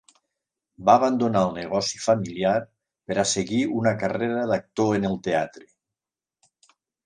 Va abandonar el negoci familiar per a seguir una carrera d'actor en el teatre.